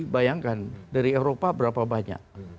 bayangkan dari eropa berapa banyak